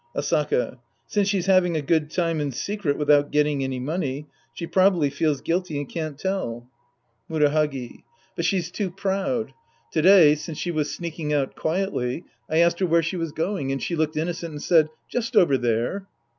Asaka. Since she's having a good time in secret v/ithout getting any money, she probably feels guilty and can't tell. Sc. I The Priest and His Disciples 159 Murahagi. But she's too proud. To day, since she was sneaking out quietly, I asked her where she was going, and she looked innocent and said, " Just over there."